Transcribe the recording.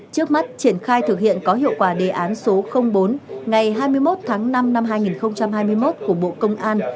trước mắt triển khai thực hiện có hiệu quả đề án số bốn ngày hai mươi một tháng năm năm hai nghìn hai mươi một của bộ công an